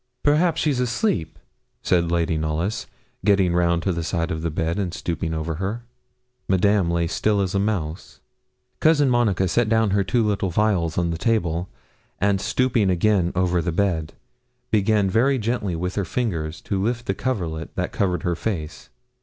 'Perhaps she's asleep?' said Lady Knollys, getting round to the side of the bed, and stooping over her. Madame lay still as a mouse. Cousin Monica set down her two little vials on the table, and, stooping again over the bed, began very gently with her fingers to lift the coverlet that covered her face.